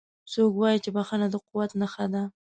څوک وایي چې بښنه د قوت نښه ده